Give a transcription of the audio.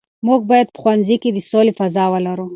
موږ باید په ښوونځي کې د سولې فضا ولرو.